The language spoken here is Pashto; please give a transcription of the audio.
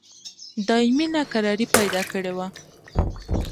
دایمي ناکراري پیدا کړې وه.